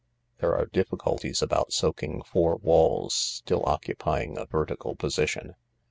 There are difficulties about soaking four walls still occupy ing a vertical position.